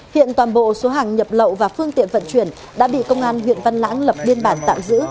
hiện toàn bộ số hàng nhập lậu và phương tiện vận chuyển đã bị công an huyện văn lãng lập biên bản tạm giữ